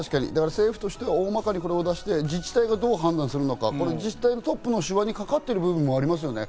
政府としては大まかにこれを出して、自治体がどう判断するのか自治体トップの手腕にかかってくる部分もありますね。